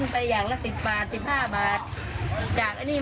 เพราะปลานี่ก็ขุดมาจากขม่าค่าขุดตรงมันก็แพง